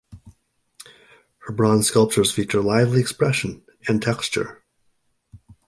Her bronze sculptures feature lively expression and texture.